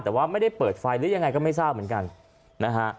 แต่ว่าไม่ได้เปิดไฟหรือยังไงก็ไม่ทราบเหมือนกันนะฮะ